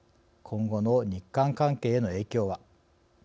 今後の日韓関係への影響は。